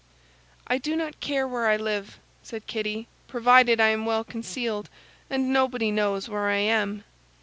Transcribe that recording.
"I do not care where I live," said Kitty, "provided I am well concealed, and nobody knows where I am."